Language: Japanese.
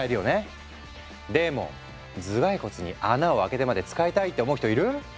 でも頭蓋骨に穴を開けてまで使いたいって思う人いる？